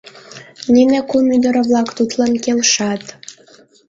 Нине кум ӱдыр-влак тудлан келшат.